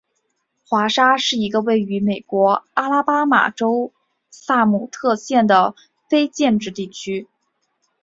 华沙是一个位于美国阿拉巴马州萨姆特县的非建制地区。